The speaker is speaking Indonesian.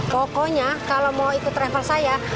pokoknya kalau mau ikut travel saya